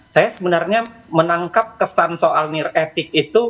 saya sebenarnya menangkap kesan soal niretik itu